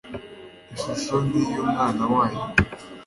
ishusho nk iy umwana wayo